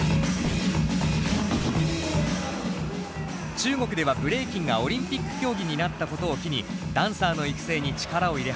中国ではブレイキンがオリンピック競技になったことを機にダンサーの育成に力を入れ始めました。